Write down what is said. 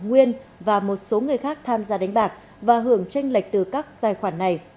nguyên và một số người khác tham gia đánh bạc và hưởng tranh lệch từ các tài khoản này